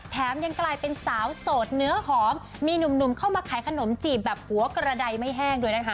ยังกลายเป็นสาวโสดเนื้อหอมมีหนุ่มเข้ามาขายขนมจีบแบบหัวกระดายไม่แห้งด้วยนะคะ